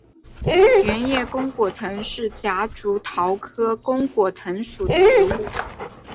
圆叶弓果藤是夹竹桃科弓果藤属的植物。